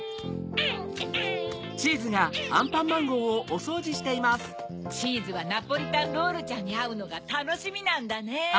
アンアアンチーズはナポリタンロールちゃんにあうのがたのしみなんだね。